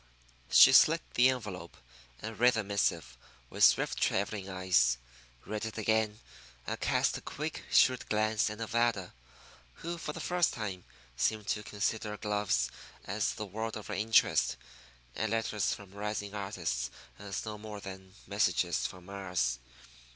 She slit the envelope, and read the missive with swift travelling eyes; read it again, and cast a quick, shrewd glance at Nevada, who, for the time, seemed to consider gloves as the world of her interest, and letters from rising artists as no more than messages from Mars.